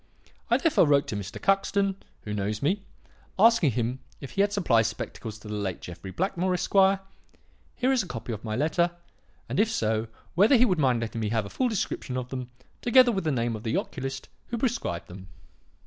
I therefore wrote to Mr. Cuxton, who knows me, asking him if he had supplied spectacles to the late Jeffrey Blackmore, Esq. here is a copy of my letter and if so, whether he would mind letting me have a full description of them, together with the name of the oculist who prescribed them.